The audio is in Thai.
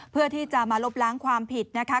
เพื่อที่จะมาลบล้างความผิดนะคะ